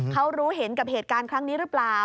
เขารู้เห็นกับเหตุการณ์ครั้งนี้หรือเปล่า